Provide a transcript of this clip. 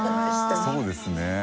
そうですね。